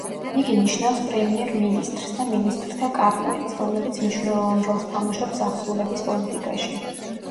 იგი ნიშნავს პრემიერ-მინისტრს და მინისტრთა კაბინეტს, რომელიც მნიშნელოვან როლს თამაშობს აღსრულების პოლიტიკაში.